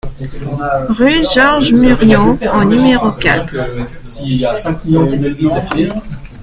Rue Georges Muriot au numéro quatre